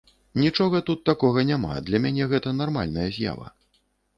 Нічога тут такога няма, для мяне гэта нармальная з'ява.